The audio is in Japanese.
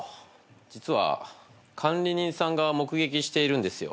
実は管理人さんが目撃しているんですよ。